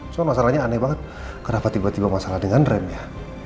cuma masalahnya aneh banget kenapa tiba tiba masalah dengan remnya